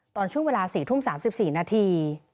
ตอนช่วงเวลา๔ทุ่ม๓๔นาที